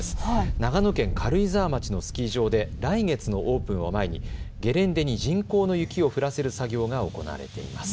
長野県軽井沢町のスキー場で来月のオープンを前にゲレンデに人工の雪を降らせる作業が行われています。